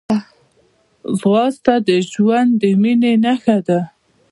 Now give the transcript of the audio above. ځغاسته د ژوند د مینې نښه ده